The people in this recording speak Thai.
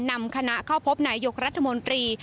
นำคณะเข้าพบนายยกรัฐมนตรี